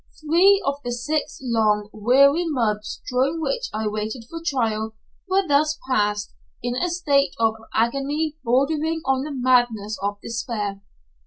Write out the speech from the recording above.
Three of the six long weary months during which I waited for trial were thus passed in a state of agony bordering on the madness of despair.